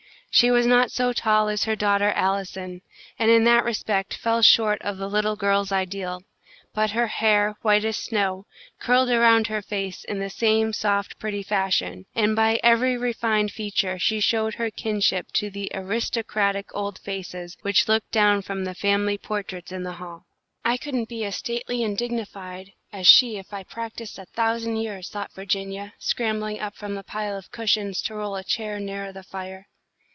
She was not so tall as her daughter Allison, and in that respect fell short of the little girl's ideal, but her hair, white as snow, curled around her face in the same soft, pretty fashion, and by every refined feature she showed her kinship to the aristocratic old faces which looked down from the family portraits in the hall. "I couldn't be as stately and dignified as she is if I practised a thousand years," thought Virginia, scrambling up from the pile of cushions to roll a chair nearer the fire.